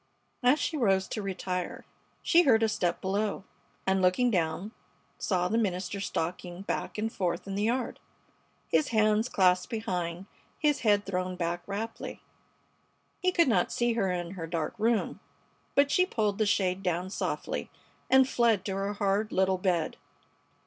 As she rose to retire she heard a step below, and, looking down, saw the minister stalking back and forth in the yard, his hands clasped behind, his head thrown back raptly. He could not see her in her dark room, but she pulled the shade down softly and fled to her hard little bed.